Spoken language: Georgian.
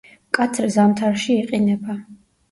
მკაცრ ზამთარში იყინება.